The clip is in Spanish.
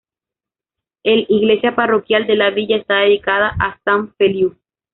El iglesia parroquial de la villa está dedicada a San Feliu.